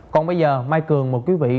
còn bây giờ mai cường mời quý vị